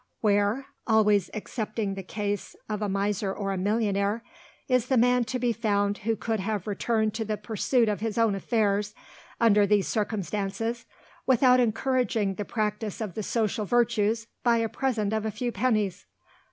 Where always excepting the case of a miser or a millionaire is the man to be found who could have returned to the pursuit of his own affairs, under these circumstances, without encouraging the practice of the social virtues by a present of a few pennies?